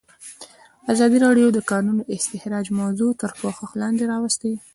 ازادي راډیو د د کانونو استخراج موضوع تر پوښښ لاندې راوستې.